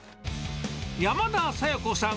山田小夜子さん